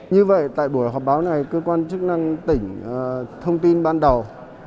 như vậy tại buổi họp báo này cơ quan chức năng tỉnh thông tin ban đầu